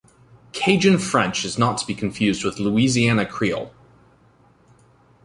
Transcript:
Cajun French is not to be confused with Louisiana Creole.